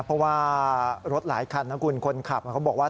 เพราะว่ารถหลายคันนะคุณคนขับเขาบอกว่า